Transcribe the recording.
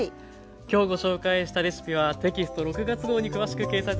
今日ご紹介したレシピはテキスト６月号に詳しく掲載されています。